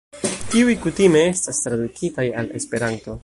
Tiuj kutime estas tradukitaj al Esperanto.